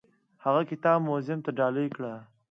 هغه کتاب موزیم ته ډالۍ کړ.